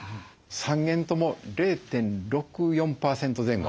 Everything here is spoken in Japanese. ３軒とも０．６４％前後。